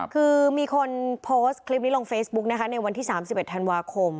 คือมีคนโพสต์คลิปนี้ลงเฟซบุ๊กนะคะในวันที่๓๑ธันวาคม